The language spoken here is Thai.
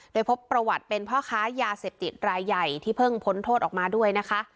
โดยพบประวัติเป็นพ่อค้ายาเสพติดรายใหญ่ที่เพิ่งพ้นโทษออกมาด้วยนะคะ